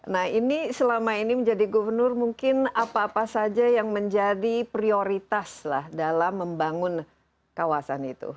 nah ini selama ini menjadi gubernur mungkin apa apa saja yang menjadi prioritas lah dalam membangun kawasan itu